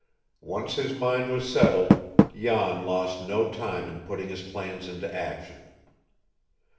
Once his mind was settled, Jan lost no time in putting his plans into action.